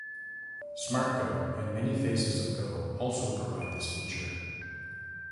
SmartGo and Many Faces of Go also provide this feature.